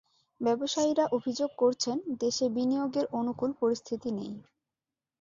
ব্যবসায়ীরা অভিযোগ করছেন, দেশে বিনিয়োগের অনুকূল পরিস্থিতি নেই।